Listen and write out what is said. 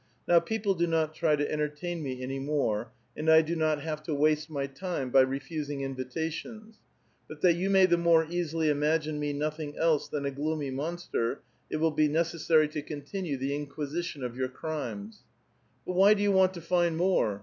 Now people do not try to entertain me any more, and I do not have to waste my time by refusing invitations. But that you ma}' the more easily imagine me nothing else than a gloomy monster, it will be necessary to continue the inquisition of your crimes." " But If h}^ do you want to fiud more?